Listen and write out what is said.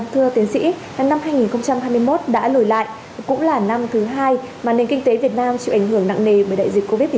thưa tiến sĩ năm hai nghìn hai mươi một đã lùi lại cũng là năm thứ hai mà nền kinh tế việt nam chịu ảnh hưởng nặng nề bởi đại dịch covid một mươi chín